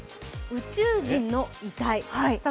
宇宙人の遺体。